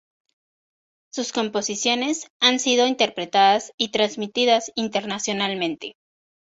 Sus composiciones han sido interpretadas y transmitidas internacionalmente.